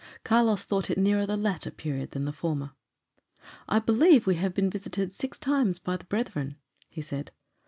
Carlos thought it nearer the latter period than the former. "I believe we have been visited six times by the brethren," he said.